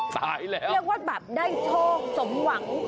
ตายแล้วเรียกว่าแบบได้โชคสมหวัง